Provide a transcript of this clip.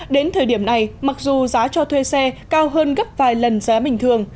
đến thời điểm này mặc dù giá cho thuê xe cao hơn gấp vài lần giá bình thường